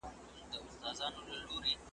په رګو یې د حرص اور وي لګېدلی .